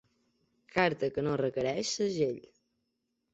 Carta que no requereix segell.